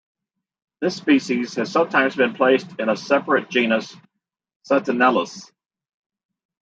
This species has sometimes been placed in a separate genus, "Satanellus".